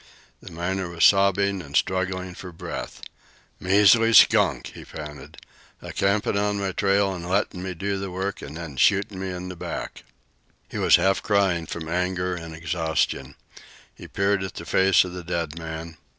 The miner was sobbing and struggling for breath. "Measly skunk!" he panted; "a campin' on my trail an' lettin' me do the work, an' then shootin' me in the back!" He was half crying from anger and exhaustion. He peered at the face of the dead man.